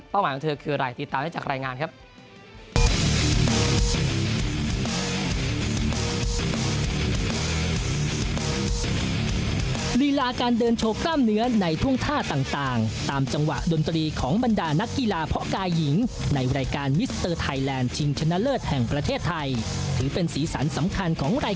หมายของเธอคืออะไรติดตามได้จากรายงานครับ